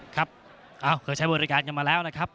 เอาเคอทรายบริการมาแล้วนะครับ